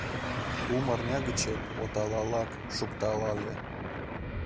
Кум арня гычет оталалак шукталале.